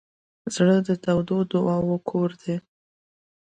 زړه د تودو دعاوو کور دی.